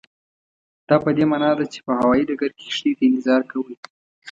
دا پدې معنا ده چې په هوایي ډګر کې کښتۍ ته انتظار کوئ.